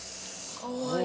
かわいい。